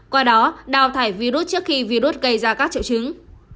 qua đó đào thải virus trước khi virus gây ra các triệu chứng